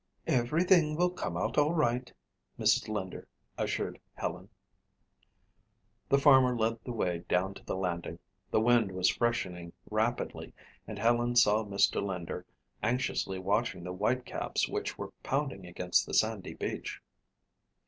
"Everything will come out all right," Mrs. Linder assured Helen. The farmer led the way down to the landing. The wind was freshening rapidly and Helen saw Mr. Linder anxiously watching the white caps which were pounding against the sandy beach.